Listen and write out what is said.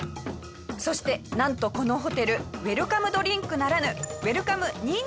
そしてなんとこのホテルウェルカムドリンクならぬウェルカムニンジンが置いてあるんです。